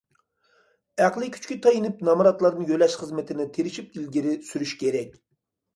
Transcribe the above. ئەقلىي كۈچكە تايىنىپ نامراتلارنى يۆلەش خىزمىتىنى تىرىشىپ ئىلگىرى سۈرۈش كېرەك.